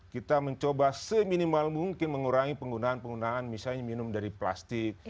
kita mencoba seminimal mungkin mengurangi penggunaan penggunaan misalnya minum dari plastik